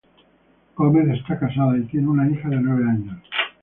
Gómez está casada y tiene una hija de nueve años.